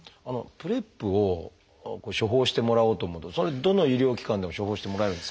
ＰｒＥＰを処方してもらおうと思うとそれはどの医療機関でも処方してもらえるんですか？